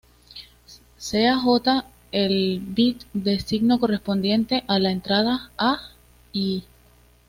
Sea J el bit de signo correspondiente a la entrada A, y...